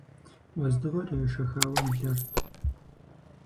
Уэздыгъэр ешэхауэ блэрт.